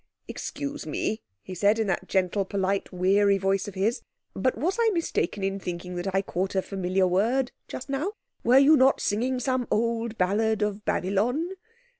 "Excuse me," he said, in that gentle, polite weary voice of his, "but was I mistaken in thinking that I caught a familiar word just now? Were you not singing some old ballad of Babylon?"